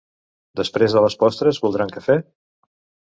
Després de les postres, voldran cafè?